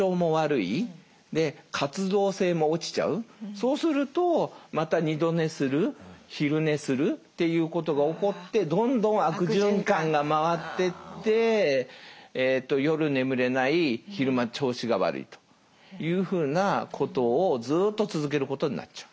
そうするとまた二度寝する昼寝するっていうことが起こってどんどん悪循環が回ってって夜眠れない昼間調子が悪いというふうなことをずっと続けることになっちゃう。